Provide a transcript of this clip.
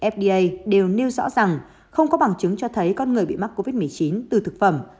fda đều nêu rõ rằng không có bằng chứng cho thấy con người bị mắc covid một mươi chín từ thực phẩm